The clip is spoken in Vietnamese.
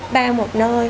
ba một nơi